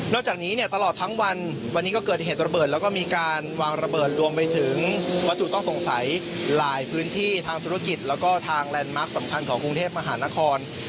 จากนี้เนี่ยตลอดทั้งวันวันนี้ก็เกิดเหตุระเบิดแล้วก็มีการวางระเบิดรวมไปถึงวัตถุต้องสงสัยหลายพื้นที่ทางธุรกิจแล้วก็ทางแลนด์มาร์คสำคัญของกรุงเทพมหานคร